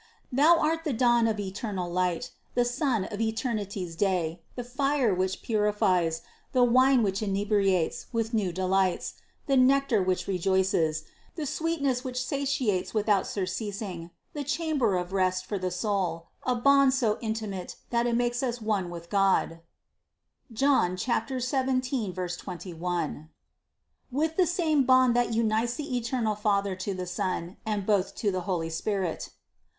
Thou art the dawn of eternal light, the sun of eternity's day, the fire which purifies, the wine which inebriates with new delights, the nectar which rejoices, the sweetness which satiates without surceasing, the chamber of rest for the soul, a bond so intimate that it makes us one with God (Joan 17, 21), with the same bond that unites the eternal Father to the Son, and Both to the holy Spirit. 397 398 CITY OF GOD 517.